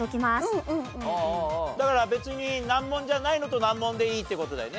だから別に難問じゃないのと難問でいいって事だよね。